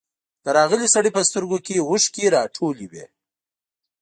د راغلي سړي په سترګو کې اوښکې راټولې وې.